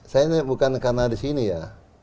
saya ini bukan karena di sini ya